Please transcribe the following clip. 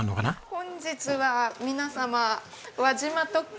本日は皆様輪島特急